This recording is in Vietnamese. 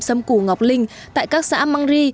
xâm củ ngọc linh tại các xã măng ri